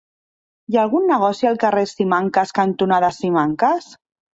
Hi ha algun negoci al carrer Simancas cantonada Simancas?